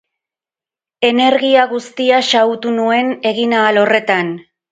Energia guztia xahutu nuen eginahal horretan.